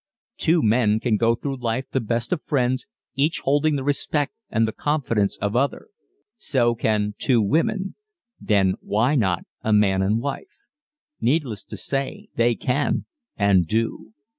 Two men can go through life the best of friends, each holding the respect and confidence of the other. So can two women. Then, why not a man and wife? Needless to say they can, and do.